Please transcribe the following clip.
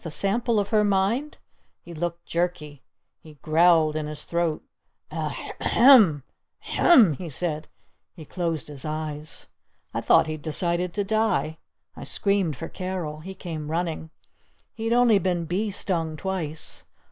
"A sample of her mind?" He looked jerky. He growled in his throat. "A hem A hem," he said. He closed his eyes. I thought he'd decided to die. I screamed for Carol. He came running. He'd only been bee stung twice.